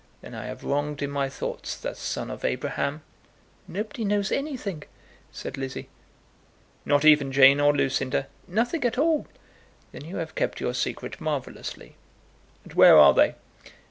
"Then I have wronged in my thoughts that son of Abraham?" "Nobody knows anything," said Lizzie. "Not even Jane or Lucinda?" "Nothing at all." "Then you have kept your secret marvellously. And where are they?"